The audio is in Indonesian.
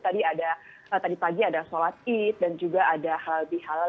tadi pagi ada sholat id dan juga ada halal bihalal